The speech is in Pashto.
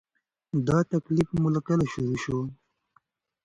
دا تکلیف مو له کله شروع شو؟